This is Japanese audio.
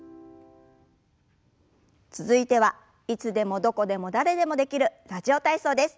続いてはいつでもどこでも誰でもできる「ラジオ体操」です。